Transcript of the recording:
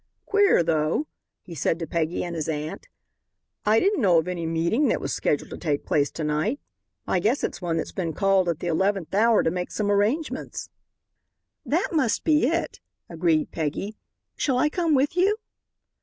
"Queer though," he said to Peggy and his aunt. "I didn't know of any meeting that was scheduled to take place to night. I guess it's one that's been called at the eleventh hour to make some arrangements." "That must be it," agreed Peggy. "Shall I come with you?"